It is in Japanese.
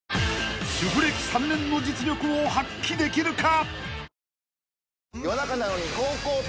主婦歴３年の実力を発揮できるか？